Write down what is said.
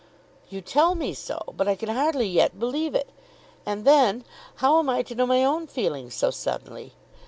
"You tell me so; but I can hardly yet believe it. And then how am I to know my own feelings so suddenly?